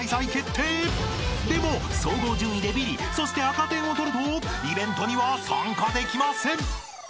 ［でも総合順位でビリそして赤点を取るとイベントには参加できません］